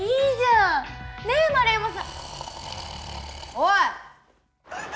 おい！